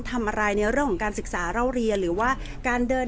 แต่ว่าสามีด้วยคือเราอยู่บ้านเดิมแต่ว่าสามีด้วยคือเราอยู่บ้านเดิม